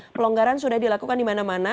pelonggaran sudah dilakukan di mana mana